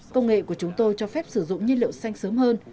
công nghệ của chúng tôi cho phép sử dụng nhiên liệu xanh sớm hơn